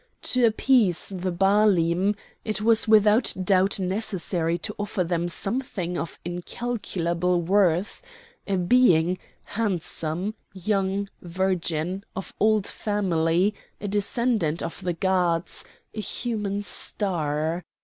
To appease the Baalim it was without doubt necessary to offer them something of incalculable worth, a being handsome, young, virgin, of old family, a descendant of the gods, a human star.